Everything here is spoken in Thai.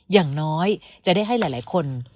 อย่างน้อยจะได้ให้หลายคน